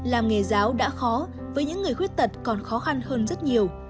làm nghề giáo đã khó với những người khuyết tật còn khó khăn hơn rất nhiều